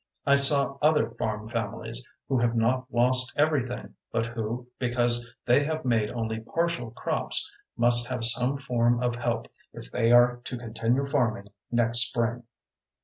I saw other farm families who have not lost everything but who, because they have made only partial crops, must have some form of help if they are to continue farming next spring.